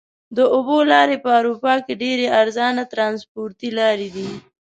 د اوبو لارې په اروپا کې ډېرې ارزانه ترانسپورتي لارې دي.